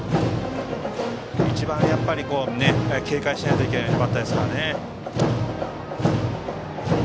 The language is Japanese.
一番、警戒しないといけないバッターですからね。